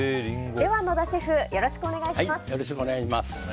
では、野田シェフよろしくお願いします。